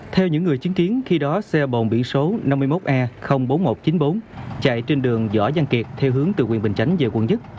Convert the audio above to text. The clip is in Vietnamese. theo những người chứng kiến khi đó xe bồn biển số năm mươi một e bốn nghìn một trăm chín mươi bốn chạy trên đường võ giang kiệt theo hướng từ quyền bình chánh về quận một